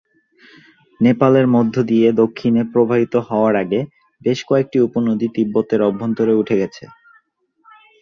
নেপালের মধ্য দিয়ে দক্ষিণে প্রবাহিত হওয়ার আগে বেশ কয়েকটি উপনদী তিব্বতের অভ্যন্তরে উঠে গেছে।